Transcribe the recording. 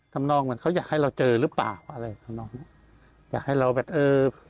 ทำนองเหมือนเขาอยากให้เราเจอหรือเปล่าอะไรทำนองเนี้ยอยากให้เราแบบเออ